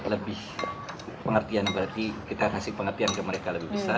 lebih pengertian berarti kita kasih pengertian ke mereka lebih besar